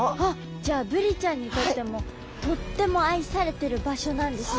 じゃあブリちゃんにとってもとっても愛されてる場所なんですね